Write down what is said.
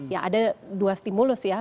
ya ada dua stimulus ya